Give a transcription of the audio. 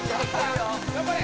頑張れ！